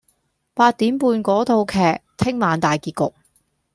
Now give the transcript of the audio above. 八點半嗰套劇聽晚大結局